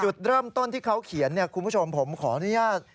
จุดเริ่มต้นที่เขาเขียนคุณผู้ชมผมขออนุญาต